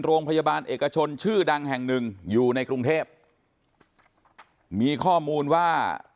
โรงพยาบาลเอกชนชื่อดังแห่งหนึ่งอยู่ในกรุงเทพมีข้อมูลว่า